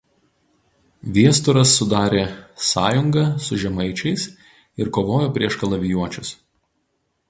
Viesturas sudarė sąjungą su žemaičiais ir kovojo prieš kalavijuočius.